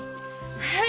はい。